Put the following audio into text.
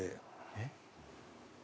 えっ？